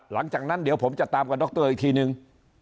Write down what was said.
หลังจากนั้นเดี๋ยวผมจะตามกับดรอีกทีนึง